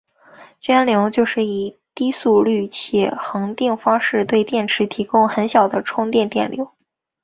涓流就是以低速率且恒定方式对电池提供很小的充电电流。